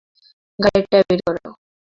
গাড়িটা বের করো।